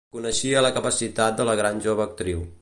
Coneixia la capacitat de la gran jove actriu.